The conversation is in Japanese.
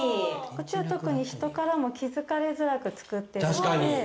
こちら特に人からも気付かれづらく作ってるので。